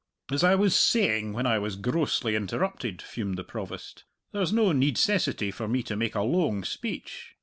"As I was saying when I was grossly interrupted," fumed the Provost, "there's no needcessity for me to make a loang speech.